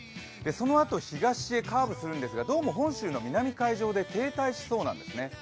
そのあと東へカーブするんですが、どうも本州の南海上で停滞しそうなんですね。